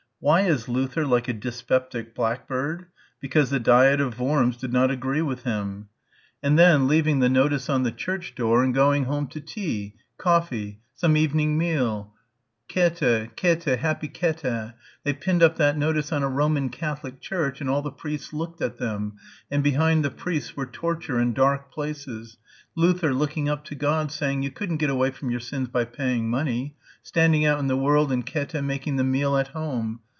(Why is Luther like a dyspeptic blackbird? Because the Diet of Worms did not agree with him) ... and then leaving the notice on the church door and going home to tea ... coffee ... some evening meal ... Käthe ... Käthe ... happy Käthe.... They pinned up that notice on a Roman Catholic church ... and all the priests looked at them ... and behind the priests were torture and dark places ... Luther looking up to God ... saying you couldn't get away from your sins by paying money ... standing out in the world and Käthe making the meal at home